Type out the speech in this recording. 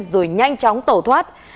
rồi nhanh chóng tổ thoát